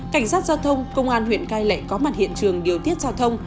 cảnh sát giao thông công an huyện cai lệ có mặt hiện trường điều tiết giao thông